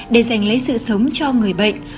để giành lấy sự sống cho người bệnh